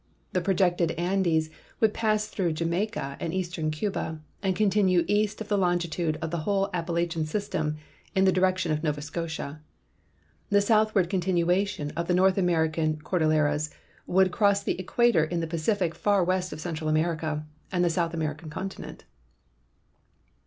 The projected Andes would pass through Jamaica and ea.stern Cuba and continue east of the longitude of the whole Appalachian system in the direction of Nova Scotia ; the south ward continuation of the North American cordilleras would cross the equator in the Pacific, far west of Central America and the South American continent.